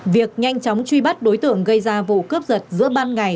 việc nhanh chóng truy bắt đối tượng gây ra vụ cướp giật giữa ban ngày